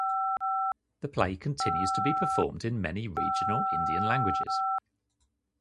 The play continues to be performed in many regional Indian languages.